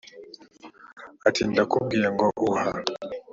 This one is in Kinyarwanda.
ati ndakubwiye ngo uha